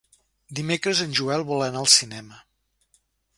Dimecres en Joel vol anar al cinema.